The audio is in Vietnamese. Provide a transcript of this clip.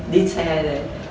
đít xe đấy